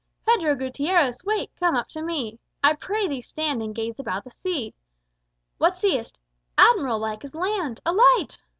Pedro Gutierrez, wake! come up to me. I prithee stand and gaze about the sea: What seest? _Admiral, like as land a Light!